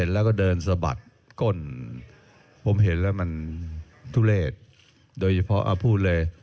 แรงอยู่